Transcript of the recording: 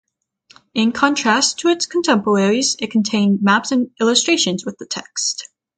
In contrast to its contemporaries, it contained maps and illustrations with the text.